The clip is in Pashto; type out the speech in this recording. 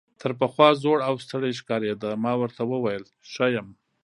تر پخوا زوړ او ستړی ښکارېده، ما ورته وویل ښه یم.